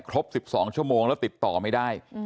ครบ๑๒ชั่วโมงแล้วติดต่อไม่ได้